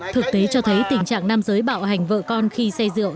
thực tế cho thấy tình trạng nam giới bạo hành vợ con khi xây rượu